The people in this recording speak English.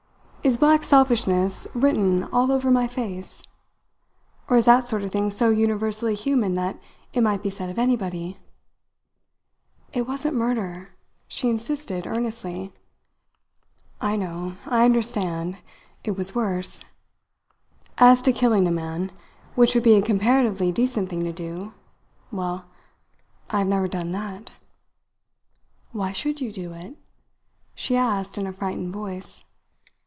Is black selfishness written all over my face? Or is that sort of thing so universally human that it might be said of anybody?" "It wasn't murder," she insisted earnestly. "I know. I understand. It was worse. As to killing a man, which would be a comparatively decent thing to do, well I have never done that." "Why should you do it?" she asked in a frightened voice.